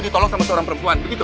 ditolong sama seorang perempuan